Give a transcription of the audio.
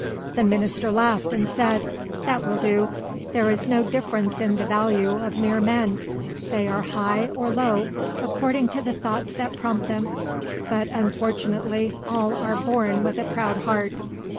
The Minister laughed and said, "That will do; there is no difference in the value of mere men, they are high or low according to the thoughts that prompt them, but unfortunately all are born with a proud heart.